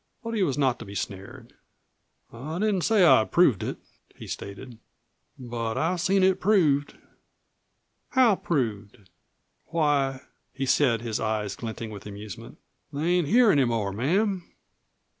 But he was not to be snared. "I didn't say I'd proved it," he stated. "But I've seen it proved." "How proved?" "Why," he said, his eyes glinting with amusement, "they ain't here any more, ma'am."